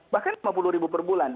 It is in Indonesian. bahkan rp lima puluh per bulan